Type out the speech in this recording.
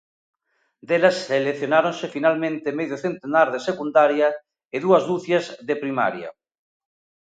Delas seleccionáronse finalmente medio centenar de Secundaria e dúas ducias de Primaria.